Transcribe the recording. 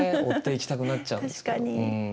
追っていきたくなっちゃうんですけど。